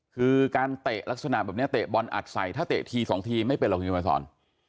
คือการเตะลักษณะแบบนี้เตะบอลอัดใส่ถ้าเตะทีสองทีไม่เป็นหรอกคุณเขียนมาสอน